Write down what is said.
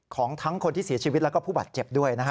ของทั้งคนที่เสียชีวิตแล้วก็ผู้บาดเจ็บด้วยนะฮะ